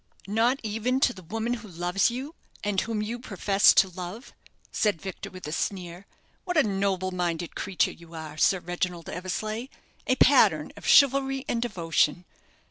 "Not even to the woman who loves you, and whom you profess to love?" said Victor, with a sneer. "What a noble minded creature you are, Sir Reginald Eversleigh a pattern of chivalry and devotion!